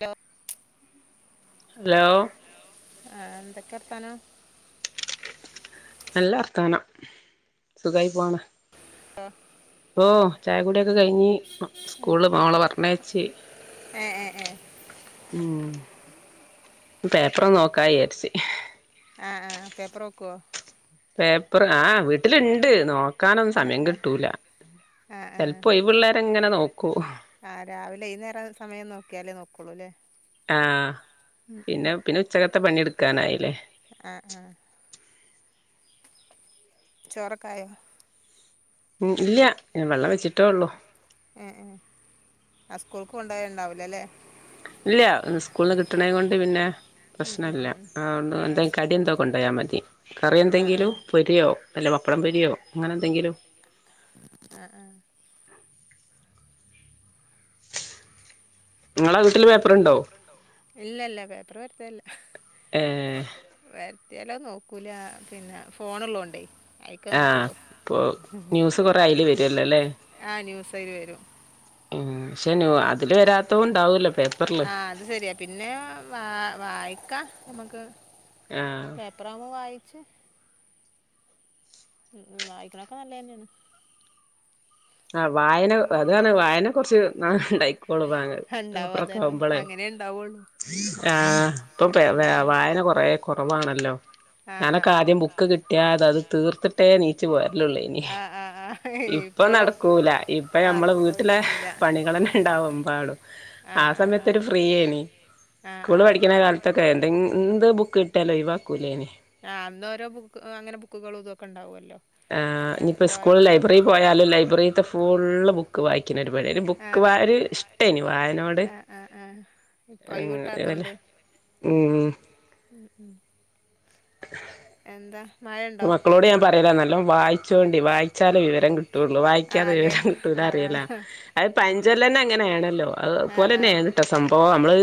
Hello hello ആഹ് എന്തൊക്കെ വർത്താനം നല്ല വർത്താനം സുഖായി പോണ് ഓഹ് ചായ കുടിയൊക്കെ കഴിഞ്ഞ് സ്കൂളില് മോളെ പറഞ്ഞയച്ച് ഏഹ് ഏഹ് ഏഹ് ഉം പേപ്പറ് നോക്കാ വിയാരിച്ച് ആഹ് ആഹ് പേപ്പറോക്കുവാ പേപ്പറ് ആഹ് വീട്ടിലുണ്ട് നോ ക്കാനൊന്നും സമയം കിട്ടൂല ചെലപ്പോ ഒഴിവ്ള്ളേരെങ്ങനെ നോക്കൂ ആഹ് രാവിലെ ഈനേരം സമയം നോക്കിയാലേ നോക്കളൂ ല്ലേ ആഹ് പിന്നെ പിന്നെ ഉച്ചകത്തെ പണിയെടുക്കാനായില്ലേ ആഹ് ആഹ് ചോറക്കായോ ഉം ഇല്ല്യ വെള്ളം വെച്ചിട്ടേ ഒള്ളൂ ഏഹ് ഏഹ് സ്കൂൾക്ക് കൊണ്ടോയണ്ടാവില്ല ല്ലേ ഇല്ല സ്കൂളിന്ന് കിട്ടണേ കൊണ്ട് പിന്നെ പ്രശ്നല്ല അതൊണ്ട് എന്തെങ്കും കടിയന്തോ കൊണ്ടോയാൽ മതി കറി എന്തെങ്കിലും പൊരിയോ അല്ല പപ്പടം പൊരിയോ അങ്ങനെ എന്തെങ്കിലും ആഹ് ആഹ് നിങ്ങളെ വീട്ടിൽ പേപ്പർണ്ടോ ഇല്ല ഇല്ല പേപ്പർ വരുത്തലില്ല ഏഹ് വരത്തിയാലും നോക്കൂല പിന്നെ ഫോണ് ള്ളോണ്ടേ ആഹ് ഇപ്പൊ ന്യൂസ് കൊറെ അയില് വരോല്ലോല്ലേ ആഹ് ന്യൂസായില് വരും ഉം ക്ഷെ അതില് വരാത്തെ ണ്ടാവോലോ ആഹ് അത് ശെരിയാ പിന്നെ വാ വായിക്കാ നമ്മക്ക് ആഹ് പേപ്പറങ്ങ് വായിച്ച് ഉം വായിക്കാനൊക്കെ നല്ലന്നെണ് ആഹ് വായന അതാണ് വായന കൊറച്ച് നാൾണ്ടായിക്കോളും വാങ്ങ പേപ്പറൊക്കെ ആവുമ്പോളെ ആഹ് ഇപ്പൊ വായന കൊറെ കുറവാണല്ലോ ആഹ് ആഹ് ആഹ് [unintelligible] ആഹ് ആഹ് ആഹ് ഏഹ് യിപ്പൊ കൂല ഇപ്പ ഞമ്മള് വീട്ടിലെ പണികളന്നെ ണ്ടാവുമ്പാടും ആഹ് സമയത്തൊരു ഫ്രീയേനി സ്കൂള് പഠിക്കണ കാലത്തൊക്കെ എന്തെന്ത് ബുക്ക് കിട്ടിയാ ലോഴിവാകൂ ലെനി ആ അന്ന് ഓരോ ബുക്ക് അങ്ങനെ ബുക്കുകളും ഇതുക്കെ ഉണ്ടാകോലോ ആ ഇനിപ്പോ സ്കൂൾ ലൈബ്രറി പോയാല് ലൈബ്രറീത്തെ ഫുള് ബുക്ക് വായിക്കുന്ന പരിപാടിയ ബുക്ക് വാര് ഇഷ്ടേനി വായനോട് [unintelligible] ഉം ഉം മക്കളോട് ഞാൻ പറയല നല്ലോ വായിച്ചോണ്ടി വായിച്ചാല് വിവരം കിട്ടു കിട്ടുള്ളൂ വായിക്കാതെ വിവരം കിട്ടൂല അറിയല്ല അത് പയഞ്ചല്ല ന്നെ അങ്ങനെയാണല്ലോ അത്പലെ തന്നെയത് ഇന്താ സംഭവം മ്മള്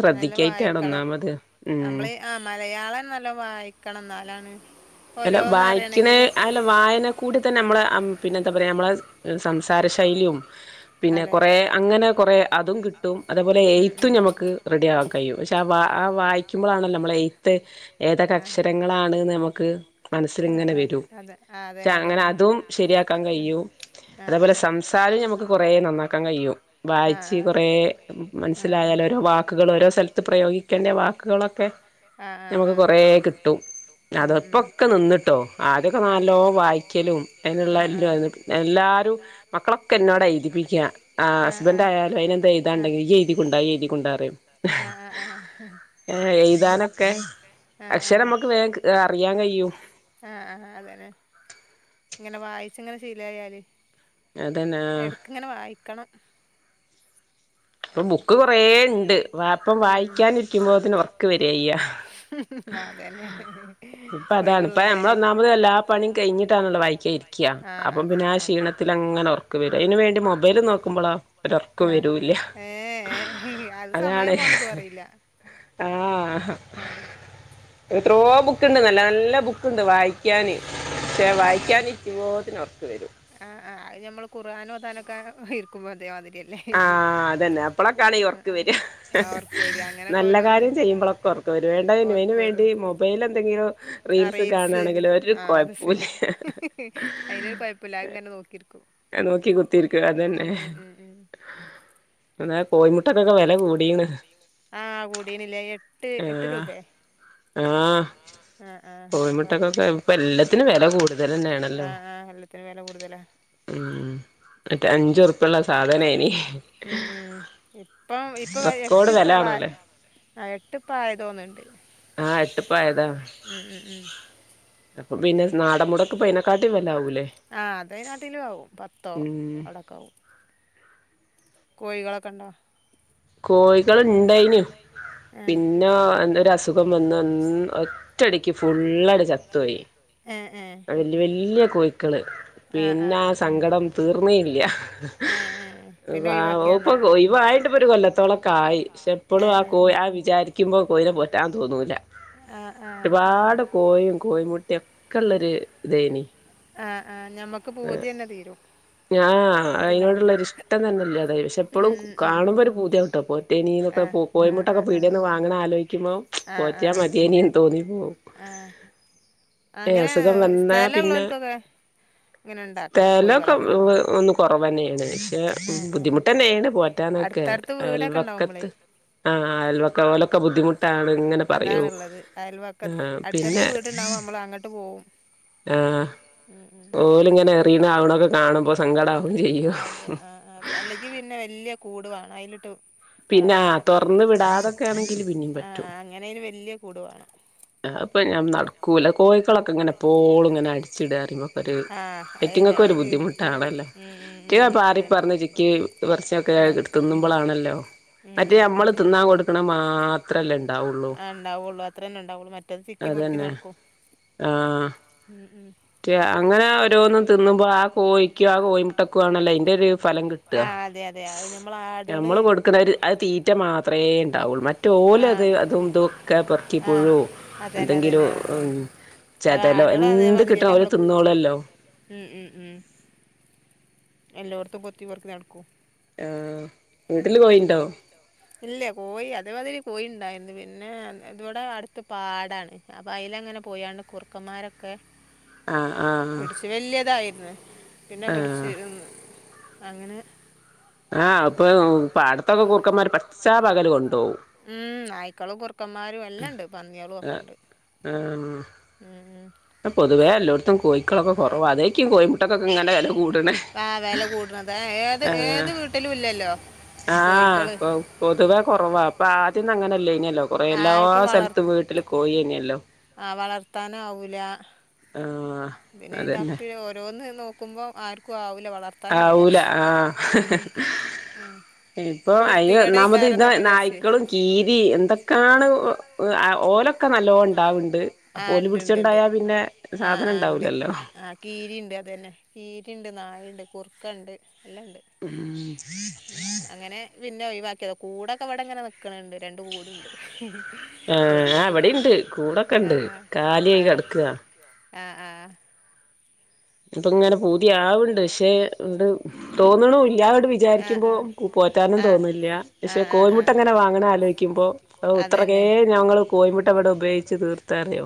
ശ്രദ്ധിക്കായിട്ടാണ് ഒന്നാമത് ഉം ആമലയാളം നല്ലോ വായിക്കണം എന്നാലാണ് ഓരോന്ന് അറിയണെങ്കിലും വായന കൂടി തന്നമ്മളെ പിന്നെന്താ പറയാ നമ്മള സംസാര ശൈലിയും പിന്നെ കുറേ അങ്ങനെ കുറേ അതും കിട്ടും അതേപോലെ എയ്ത്തും ഞമ്മക്ക് റെഡിയവാകഴിയും പക്ഷേ ആ വ ആ വായി ക്കുബ്ളാണല്ലോ നമ്മള എയ്ത്ത് ഏതൊക്കെ അക്ഷരങ്ങളാണ് നമക്ക് മനസ്സിലിങ്ങനെ വരൂ ക്ഷെ അങ്ങനെ അതും ശരിയാക്കാൻ കഴിയൂ അതേപോലെ സംസാരം ഞമ്മക്ക് കൊറേ നന്നാക്കാ കഴിയു വായിച്ച് കൊറെ മനസ്സിലായൽ ഓരോ വാക്കുകൾ ഓരോ സ്ഥലത്ത് പ്രയോഗിക്ക ക്കേണ്ട വാക്കുകളൊക്കെ ഞമ്മക്ക് കുറേ കിട്ടുഅത ഇപ്പം ക്കെ നിന്നിട്ടോ ആദ്യക്കെ നല്ലോ വായിക്കലും അതിനുള്ള എല്ലാം എല്ലാരും മക്കളൊക്കെ എന്നോടയിതിപ്പിക്ക ആ ഹസ്ബന്റായാലും അയിനെന്താ എഴുതാണ്ടെങ്കിയ്യ് ഈ എഴുതികൊണ്ട എഴുതികൊണ്ട പറയും യാ എഴുതി എഴുതാനൊക്കെ അഹ് അഹ് അക്ഷരം ഞമ്മക്ക് വേവം അറിയാൻ കഴിയും അഹ് അഹ് അതെല്ലെ ങ്ങനെ വായിച്ചങ്ങനെ ശീലായാല് അതന്ന ആഹ് ങ്ങന വായിക്കണം പ്പൊ ബുക്ക് കൊറേണ്ട് വായിക്കാനിരിക്കുമ്പോതിന് ഉറക്ക വരയ്യ പ്പ അതാണ് ഇപ്പ ഞമ്മളൊന്നാമത് എല്ലാ പണിയും കഴിഞ്ഞിട്ടാണല്ലോ വായിക്കായിരി ക്യാ അപ്പൊ പിന്നെ ആ ക്ഷീണ ത്തി ലങ്ങനെ ഒർക്ക വര അയിന് വേണ്ടി മൊബൈല് നോക്കുബ്ലാ ഒരു ഒർക്ക വരൂല്ല ഏ ഏ അത് സമയം പോണതു അറിയില്ല ആഹ് ആഹ് എത്രോ ബുക്കുണ്ട് നല്ല നല്ല ബുക്ക്ണ്ട് വായിക്കാന് പക്ഷെ വായിക്കാനിരീകുബോതിനു ഒറക്കവരും ആഹ്ആഹ് അത് ഞമ്മള് കുറാൻ ഓതാനൊക്കെ ഇരിക്കുമ്പോ അതേമാതിരിയാണ് ആ അതന്നെ അപ്പളൊക്കാണി ർക്കവര നല്ല കാര്യം ചെയ്യുമ്പോളൊക്കെ ഒറക്കവരു വേണ്ടി മൊബൈല എന്തെങ്കിലും അ റീൽസ് ആഹ് അത് സെരി ഹ്ഹ്ഹ് അയിനൊര് കെഴപ്പല്ലാ അത്ങ്ങനെ നോക്കിയിരിക്കും നോക്കി കുത്തിരിക്കും അതെന്നെ അതേ കോയിമുട്ടക്കൊക്കെ വെല കൂടിയ്ണ് ആഹ് ആഹ് അഹ് ആഹ് അത്പർഞെട്ട് കോഴിമുട്ടക്ക് എല്ലത്തിനു വെല കൂടിയക്ക്ണ് അഹ് അഹ് എല്ലാത്തിനെ ക്കെ വെല കൂടുതലാ ഉം മറ്റെ അഞ്ചുർറുപ്യള്ള സാധനേനി ഇപ്പം ഇപ്പെ എട്ട്പ്പയത്, എട്ട്പ്പായതോന്ന്ണ്ട്. ആഹ്, എട്ട്പ്പായതാ. അപ്പ പിന്നെ നാടെൻ മുടക്ക് അയ്നക്കാട്ടിം വെലാവൂലേ ആ അതേകാട്ടിലും ആവും, പത്തോ അവടെക്കാവും. കോയികളൊക്കെണ്ടോ? കോയികള്ണ്ടായ്നു പിന്നെ, എന്തരു അസുഖം വന്ന് ന്ന് ഒ റ്റടിക്ക് ഫുള്ളാണ്ട് ചത്തോയി. എ ഏഹ്. വല്യ വല്യ കോയിക്കള്. പിന്നാ സങ്കടം തീർന്നില്ലൃ, പ്പാ ഒക്കെ ഒയിവായി. ഇപ്പൊരു കൊല്ലത്തോളക്കായി ക്ഷെ ഇപ്പളും ആ കോ ആ വിചാരിക്കുമ്പോ കോയിനെ പോറ്റാൻ തോന്നൂല. ആ ആഹ്. കോഴിം കോഴിമുട്ടിം ഒക്കെള്ളൊരു ഇതെയ്നി. ആഹ് ആഹ് ഞമ്മക്ക് പൂതിയെന്നെ തീരും. ഞാഹ്, അതിനോടുള്ളൊരിഷ്ടം തന്നെല്ലൃതായി പക്ഷെ പ്പളും കാണുമ്പോരു പൂതിയാവുട്ടോ കോയി തെനീനിപ്പോ പൂ കോയിമുട്ടക്കെ പീടൃന്ന് വാങ്ങ്ണാലേയ്ക്കുമ്പോ, പോറ്റ്യാ മത്യയ്നിന്ന് തോന്നിപ്പോവും. ആഹ്, അങ്ങനെ സ്ഥലള്ളോൽക്കൊക്കെ. ങ്ങനെ ണ്ടാക്കാ കോയികളൊക്കെ. പ്പ ഒന്നു കൊറവെന്നെണ്, ബുദ്ധിമുട്ടെന്നെണ് പോറ്റാനൊക്കെ, അയൽവക്കത്ത് ആഹ്, അയൽവക്കകളും ഒക്ക ബുദ്ധിമുട്ടാണ് ങ്ങനെ പറയൂ, പിന്നെ. ആഹ്, ഓല്ങ്ങനെ എറിയ്ണ് അവിടുന്ന് കാണുമ്പ സങ്കടാവും ചെയ്യും അ ആ അല്ലെങ്കി പിന്നെ വല്യ കൂട് വാങ്ങണം അയിലിട്ട് വ പിന്നാ, തൊർന്ന് വിടാതൊക്കെ ആണങ്കി പിന്നിം പറ്റും. എങ്ങനെയാലും വല്യ കൂട് വാണം. അത്പ്പ നടക്കൂല കോയ്ക്കളൊക്കെ ഇങ്ങനെ എപ്പോളും ഇങ്ങനെ അടച്ചിടാന്നറയുമ്പ പ്പെര്. അയ്റ്റങ്ങക്ക് ഒര് ബുദ്ധിമുട്ടാണല്ലോ, അയ്റ്റ്യ പാറി പറന്ന് ചിക്കീ. കൊർച്ചൊക്കെ, ഇട്ത്ത് തിന്നുമ്പളാണല്ലോ, മറ്റേ നമ്മള് തിന്നാ കൊട്ക്ക്ണ. മാത്രല്ലേ ണ്ടാവൊള്ളൂ. ണ്ടാവൊള്ളൂ അത്രന്നെ ണ്ടാ വൊള്ളൂ, മറ്റേത് ചിക്കി, പൊർക്കി, നടക്കും. ഉു ഉം. റ്റൃ അങ്ങനെ ഓരോന്നും തിന്നുമ്പോ ആ കോഴിക്കും ആ കോഴിമുട്ടക്കു ആണല്ലോ അയിന്റെരു ഫലം കി ട്ടാ നമ്മള് കൊടുക്ക്ണെര് അത് തീറ്റ മാത്രേണ്ടാവൊള്ളൂ മറ്റ് റ്റോലത് അതുംഇതൊക്കെ പെർക്കി പ്പുഴൂ എന്തെങ്കിലും ഉം ചെതലോ എന്ത് കിട്ട് ലെ നമ്മള്ക്കു- ഉം ഉം ഉം എല്ലോട്ത്തും കൊത്തിപെർക്കി നടക്കും. ഉം വീട്ടില് കോയിണ്ടോ? ഇല്ലൃ കോഴി അത് മാതിരി കോഴിണ്ടായിരുന്നു. പിന്നെ ഇവടെ അടുത്ത് പാട ണ്. അപ്പൊ അയിലങ്ങനെ പോയാണ്ട്. കുർക്കന്മാരൊക്ക പിടിച്ച് വല്ലൃതായിര്ന്ന് പിന്നെ പിടിച്ച് ഉം. അങ്ങനെ ആഹ് ഇപ്പം പാടത്തൊക്കെ കുർക്കന്മാര് പച്ചാ പകല് കൊണ്ടോകും ഉം നായ്ക്കളും കുറുക്കന്മാരും എല്ലണ്ട് പന്ന്യേളും അ ആഹ് ഉം ഉം ഉം പ്പ പൊതുവെ എല്ലോട്ത്തും കോഴിക്കളൊക്കൊകൊറവാ അതേയ്ക്കും കോയി മുട്ടക്കക്കൊ ഇങ്ങനെ വെല കൂടണേ ആഹ വെല കൂട്ണത് ഏത് വീട്ടിലും ഇല്ലല്ലോ ആഹ പൊതുവെ കൊറവാ പ്പആദ്യന്നു അങ്ങനെല്ലയ്നിഅല്ലോ കൊറേ എല്ലാ സെൽത്തും വീട്ടില് കോയി എയ്നിയല്ലോ ആഹ വളർത്താനാവൂല ആഹ പിന്നെ അയ്ൻ്റെ അപ്പി ഓരോന്ന് നോക്കുമ്പം ആർക്കും ആവുല വളർ ത്താനാവൂല ഹ് ഇപ്പൊ അയ്നോന്നാമത് ഇതാ നായ്ക്കളും കീരി എന്തൊക്കാണ് ഉ അ ഓലൊ ക്കെ നല്ലോണ്ടാവ്ണ്ട് അപ്പോല് പിടിച്ചോണ്ടായാ പിന്നെ സാധനണ്ടാവൂലല്ലോ ആഹ കീരിണ്ട് അത് എന്നെ കീരി ഇണ്ട് നായണ്ട് കുർക്കണ്ട് എല്ലണ്ട് ഉം അങ്ങനെ പിന്നെ ഒിവാക്കിയത കൂടെക്കെ ഇവടെങ്ങനെ നി ക്ക്ണ് ണ്ട് രണ്ട് കൂട്ണ്ട് കോയ്ക്കളില്ല ആഹ ആഹ കാലിയായി കട്ക്ക ആഹ ആഹ ഇപ്പൊങ്ങനെ പൂതിയാവ്ണ്ട് പക്ഷെ ണ്ട് തോന്ന്ണുല്ല ആഹ്ണ്ട് വിചാരിക്കുമ്പോ പോറ്റാനും തോന്ന്ല്ല പക്ഷേ കോഴിമുട്ടങ്ങനെ വാങ്ങണ ആലോയ്ക്കുമ്പോ അവു ഇത്രകേ ഞങ്ങള് കോയ്മുട്ട ഇവിടെ ഉപയോഗിച്ച് തീർത്താറിയോ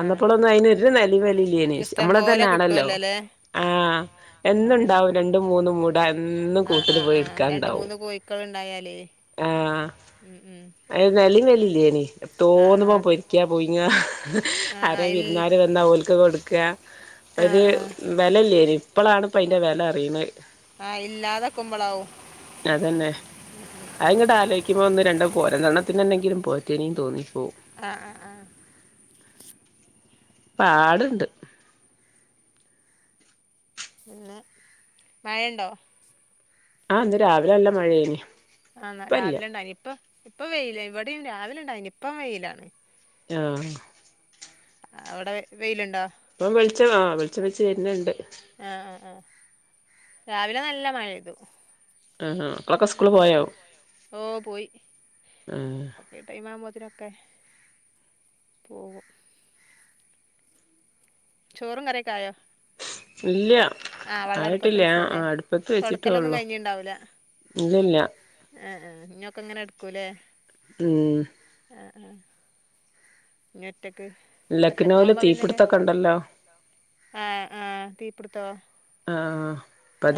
അന്നപ്പൊളൊന്നും അതിനൊരു നെലിം വെലിം ഇല്ലേയ്നി നമ്മള് ഓലെ കിട്ടുഅല്ലല്ലേ ആഹ എന്നുണ്ടാവും രണ്ടും മൂന്നും മുട എന്നും കൂട്ടില് പോയി ഇട്ക്കാൻണ്ടാവും ആഹ ഉം ഉം നെലിം വെലില്ലേനി തോന്നുമ്പൊ പൊരിക്കാ പുയിങ്ങ ആരേം വിരുന്നാര് വന്നാ ഓൽ ക്ക് കൊട്ക്ക ഒര് വെലല്ല ല്ലെനി ഇപ്പളാണ് പ്പ അയിന്റെ വെല അറിണെഹ് അതന്നെ അഹ് ങ്ങട്ട് ആലൊയ് ക്കുമ്പോ ഒന്ന് രണ്ട് പോര ഒരണ്ണത്തിനെന്നെങ്കിലും പോറ്റെയ്നി തോന്നിപ്പോവും ആഹ ആഹ ആഹ പാട്ണ്ട് പിന്നെ മഴണ്ടോ ആഹ ന്ന് രാവിലെ നല്ല മഴേനി ആഹ രാവിലെ ഇണ്ടായിനി ഇപ്പം ഇപ്പ വെയില ഇവിടിം രാവിലെ ഉണ്ടായിനിയിപ്പം വെയിലാണ് ആഹ അവടെ വെയിലുണ്ടോ ഇപ്പം വിൾച്ചണോ വെൾച്ചം വെച്ച് വെര്ണ് ണ്ട് ആഹ ആഹ ആഹ രാവിലെ നല്ല മഴെയ്തു ഹാ ഹാ ങ്ങളക് സ് ഓ പോയി ഒക്കെ ഈ ടൈം ആവുമ്പോത്തിനൊക്കെ പോവും ചോറും കറിയൊക്കായോ ആഹ വള്ളം അടുപ്പത്തച്ചല്ലേ തൊടക്കല്ലൊന്നും കയ്ഞ്ഞിണ്ടാവൂല ഇല്ലല്ല ഏഹ ഏഹ ഇഞ്ഞൊക്കെങ്ങനെ ഇട്ക്കുലേ ഉം ഏഹ് ആഹ് ഇഞ്ഞൊറ്റക്ക് ലക്നൗല് തീപ്പിട്ത്തൊക്കണ്ടല്ലോ ആഹ് ആഹ് തീപ്പിട്ത്തോ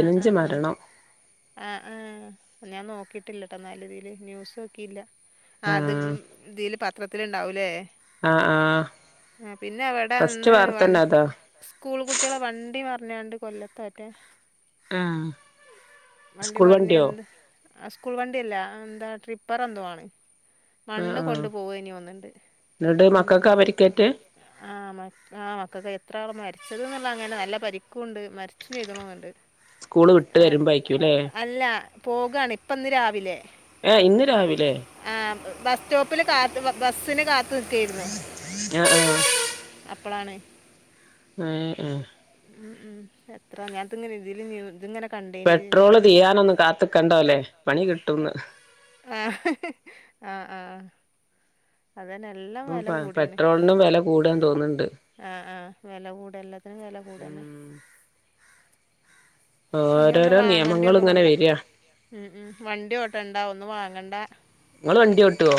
ആഹ് ആഹ് ആഹ് ആഹ് ആഹ് ഞാൻ നോക്കിയിട്ടില്ല ട്ടോ ന്നാല് ഇതീല് ന്യൂസോക്കീല്ല ആഹ് ത് തീല് പത്രത്തില്ണ്ടാവുലേ ആഹ് ആഹ് ഏ പിന്നെവടെ ഇന്ന് വ സ്കൂൾ കുട്ട്യളെ വണ്ടി മർ ഞ്ഞാണ്ട് കൊല്ലത്തൊ എറ്റെ വണ്ടി മർഞ്ഞ് ണ്ട് ആഹ് സ്കൂൾ വണ്ടിയല്ല. അതെന്താ ട്രിപ്പറെന്തോ ആണ്. മണ്ണ് കൊണ്ട് പോവേന്യോന്ന്ണ്ട് ഉം [inaudible] ആഹ് മ ആഹ് മക്കക്ക, എത്രാള് മരിച്ചത്ള്ള അങ്ങല്ല, നല്ല പരിക്കുണ്ട് മര്ച്ചും ചെയ്ത്ണോന്ന്ണ്ട് ഏ അല്ല പോകാണ് ഇപ്പന്ന് രാവിലെ ഏഹ് ഇന്ന് രാവിലെ ആഹ് ബസ് സ്റ്റോപ്പില് കാത്ത് ബസ്സിന് കാ ത്ത്ക്കേര്ന്ന് അപ്പളാണ് ഏഹ് ആഹ് ഉം ഉം എത്ര ഞാൻ ത്ങ്ങനെ ഇതില് ന്യൂ ത്ങ്ങനെ പെട്രോള് തീരാനൊന്നും കാത്ത്ക്കണ്ടോലെ പണി കിട്ടും ന്ന് ആഹ് ആഹ് ആഹ് അതന്നെ എല്ലം വെല കൂടീണ്. പെട്രോളിനും വെല കൂടാണ് ആഹ് ആഹ് വെല കൂട. എല്ലത്തിനും വെല കൂടെന്നെ ഇഞ്ഞൊന്നും വാങ്ങണ്ടി ഒന്നും വാണ്ട. ഉം ഉം വണ്ടി ഓട്ടണ്ടാ ഒന്നും വാങ്ങണ്ട ങ്ങള് വണ്ടിയോട്ടോ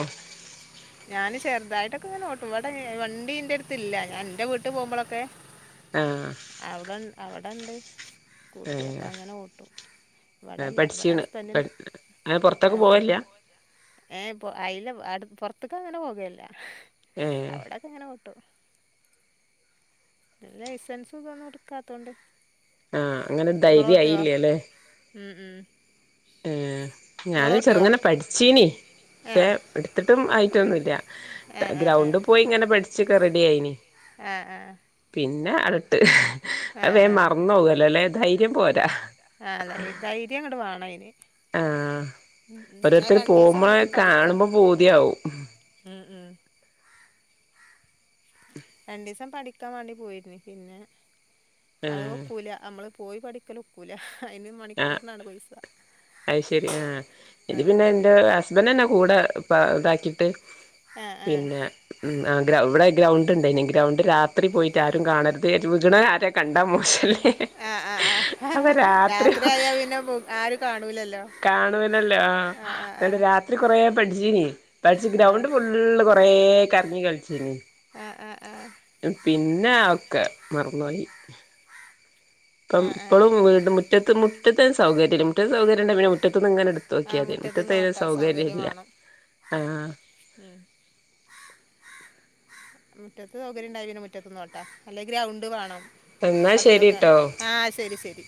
ഞാന് ചെർതായിട്ടൊക്കെങ്ങനെ ഓട്ടും ഇവടെ വണ്ടി ഇന്റെട്ത്ത്ല്ല. ഞാൻ ഇന്റെ വീട്ട് പോവുമ്പളൊക്കെ ആഹ് അവുടെ അവിടെണ്ട് സ്കൂട്ടി. അപ്പ അങ്ങനെ ഓട്ടും വടല്ല. വടെ ഹസ്ബന്റ്ന് ആഹ് ആഹ് ഏഹ് ഇപ്പൊ അയിലെ അടു പൊർത്ത്ക്കങ്ങനെ പോകേല്ല അവിടൊക്കെങ്ങനെ ഓട്ടും പിന്നെ, ലൈസൻസും ഇതൊന്നും ഇട്ക്കാത്തോണ്ട്, ഇങ്ങളോട്ടോ ഉം ഉം ഏഹ് ഞാനും ചെർങ്ങനെ പഠ്ച്ചീനി, പക്ഷെ ഇട്ത്തിട്ടും ആയിട്ടൊന്നുല്ല ഗ്രൗണ്ട് പോയിങ്ങനെ പഠിച്ചൊക്കെ റെഡ്യായീനി ആഹ് ആഹ് പിന്നെ അടെട്ട്, അഹ് വേം മറന്നോവൊല്ലൊലേ ധൈര്യം പോരാ ആ ലൈ ധൈര്യങ്ങട്ട് വാണയ്ന് ആഹ് ഓരോരുത്തര് പോവുമ്പങ കാണുമ്പ പൂത്യാവും ആഹ് ആഹ് രണ്ടീസം പഠിക്കാൻ വാണ്ടി പോയിനി പിന്നെ അത് ഒക്കൂല, നമ്മള് പോയി പഠിക്കലൊക്കൂല, അയ്ന് മണിക്കൂർനാണ് പൈസ അയ് ശെരി, ആഹ് ഇത് പിന്നെ ഇന്റെ ഹസ്ബന്റെന്നെ കൂടെ പ്പ ഇതാക്കിട്ട് പിന്നെ ഉം ആ ഗ്രൗ ഇവിടെ ഗ്രൗണ്ട്ണ്ടേനി. ഗ്രൗണ്ട് രാത്രി പോയിട്ട് ആരും കാണര്ത് യാച് വ്ഗ്ണെ ആ രെ കണ്ടാ മോശല്ലേ, അപ്പ രാ ത്രിആയാ പിന്നെ വ് ആരും കാണൂലല്ലോ കാണാനല്ലേ ആഹ് രാത്രി കൊറേ പഠിച്ചീനി പഠിച്ച് ഗ്രൗണ്ട് ഫു നള് കൊറേ കരഞ്ഞി കളിച്ചിനി അഹ് ആഹ് പിന്നാ ഒക്കെ മറന്നുപോയി ഇപ്പം ഇപ്പളും വീട് മുറ്റത്ത് മുറ്റത്ത് സൗകര്യല്ല മുറ്റത്ത് സൗകര്യം ഉണ്ടേ പിന്നെ മുറ്റത്ത്ന്ന് എങ്ങനെ എടു തോക്കിയാതി മുറ്റത്തയ്ന് സൗകര്യ ഇല്ല ആഹ് ഇഹ് മുറ്റത്ത് സൗകര്യം ഉണ്ടായി പിന്നെ മുറ്റത്ത്ന്ന്ന്നോട്ടാ അല്ലേ ഗ്രൗണ്ട് വേണം അടുത്തൊക്കെ ആഹ് ശരി ശരി